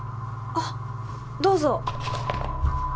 あっどうぞ